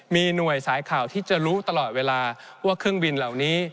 มีหน่วยสายข่าวที่จะรู้ตลอดเวลาว่าเครื่องบินเหล่านี้